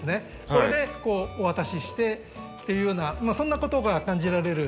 これでこうお渡ししてっていうようなそんなことが感じられる。